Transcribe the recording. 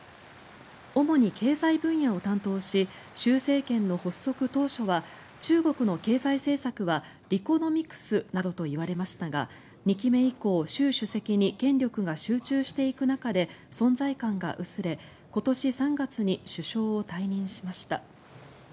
主に経済分野を担当し習政権の発足当初は中国の経済政策はリコノミクスなどといわれましたが２期目以降、習主席に権力が集中していく中で存在感が薄れ今年３月に首相を退任しました。